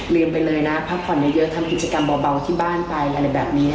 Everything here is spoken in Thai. ไปเลยนะพักผ่อนเยอะทำกิจกรรมเบาที่บ้านไปอะไรแบบนี้